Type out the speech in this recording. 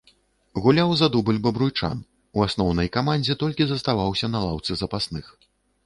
Гуляў за дубль бабруйчан, у асноўнай камандзе толькі заставаўся на лаўцы запасных.